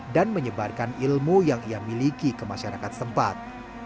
dan menyebarkan ilmu yang ia miliki ke masyarakat tempat